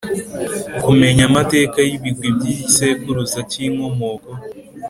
Kumenya amateka y’ibigwi by’igisekuruza cy’inkomoko,